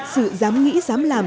sự dám nghĩ dám làm